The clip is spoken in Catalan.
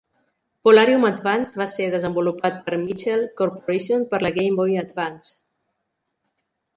"Polarium Advance" va ser desenvolupat per Mitchell Corporation per a la Game Boy Advance.